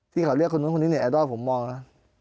ที่เขาเรียกคุณมึงคุณถึงเน็ตแอดอลผมมองนะ